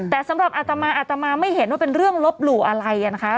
แต่สำหรับอัตมาอาตมาไม่เห็นว่าเป็นเรื่องลบหลู่อะไรนะคะ